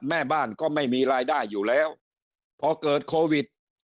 แม่บ้านก็ไม่มีรายได้อยู่แล้วพอเกิดโควิด